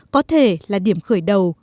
có thể là điểm khởi đầu